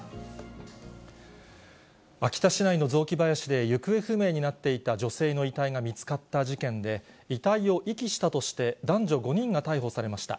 秋田市内の雑木林で、行方不明になっていた女性の遺体が見つかった事件で、遺体を遺棄したとして男女５人が逮捕されました。